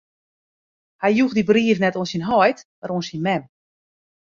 Hy joech dy brief net oan syn heit, mar oan syn mem.